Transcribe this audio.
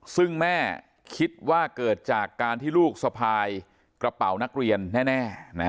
ซึ่งแม่คิดว่าเกิดจากการที่ลูกสะพายกระเป๋านักเรียนแน่